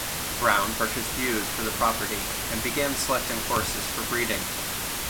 Brown purchased ewes for the property, and began selecting horses for breeding.